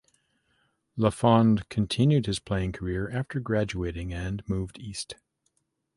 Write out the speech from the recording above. Lafond continued his playing career after graduating and moved east.